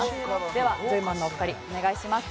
ではジョイマンのお二人お願いします。